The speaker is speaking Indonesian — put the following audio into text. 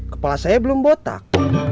kepala saya belum botak